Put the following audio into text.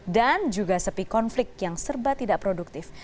dan juga sepi konflik yang serba tidak produktif